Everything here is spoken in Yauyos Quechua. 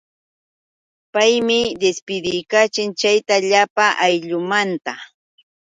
Paymi dispidikachin chay llapa ayllunmanta.